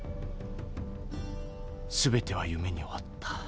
すべては夢に終わった。